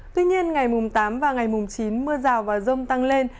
tuy nhiên ngày mùng tám và ngày mùng chín mưa rào và rông tăng lên